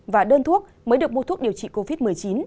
và đơn thuốc mới được mua thuốc điều trị covid một mươi chín